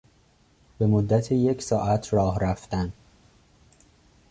به مدت یک ساعت راه رفتن